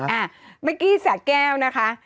เมื่อกี้สะแก้วนะคะ